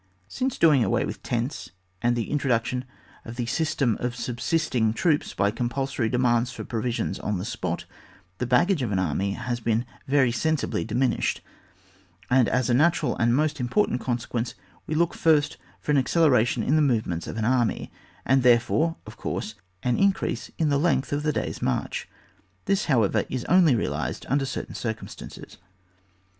Since the doing away with tents and the introductioQ of the system of subsist ing troops by compulsory demands for provisions on the spot, the baggage of an army has been very sensibly diminished, and as a natural and most important consequence we look first for an accelera tion in the movements of an army, and, therefore, of course, an increase in the length of the day's march. This, how ever, is only realised under certain circumstances.